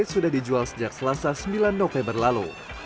sudah dijual sejak selasa sembilan november lalu